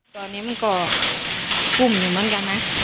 ตอนนี้มันก็พุ่มอยู่เหมือนกันนะ